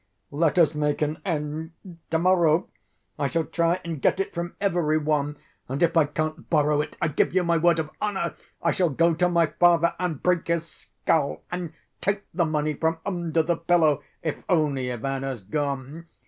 Let us make an end! To‐morrow I shall try and get it from every one, and if I can't borrow it, I give you my word of honor I shall go to my father and break his skull and take the money from under the pillow, if only Ivan has gone.